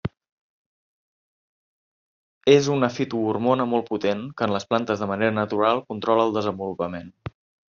És una fitohormona molt potent que en les plantes de manera natural controla el desenvolupament.